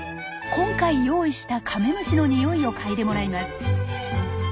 今回用意したカメムシのニオイを嗅いでもらいます。